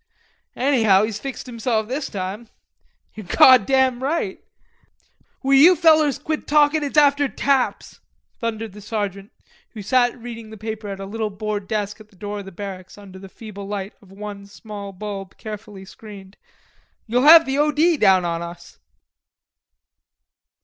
"Anyhow he's fixed himself this time." "You're goddam right." "Will you fellers quit talkin'? It's after taps," thundered the sergeant, who sat reading the paper at a little board desk at the door of the barracks under the feeble light of one small bulb, carefully screened. "You'll have the O. D. down on us."